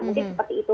mungkin seperti itu